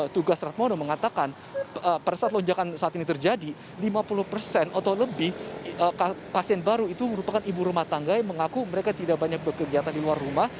tugas ratmono mengatakan pada saat lonjakan saat ini terjadi lima puluh persen atau lebih pasien baru itu merupakan ibu rumah tangga yang mengaku mereka tidak banyak berkegiatan di luar rumah